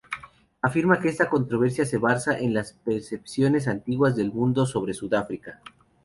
Afirma que esta controversia se basa en las percepciones antiguas del mundo sobre Sudáfrica.